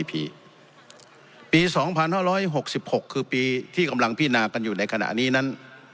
ปี๒๕๖๖คือปีที่กำลังพินากันอยู่ในขณะนี้นั้น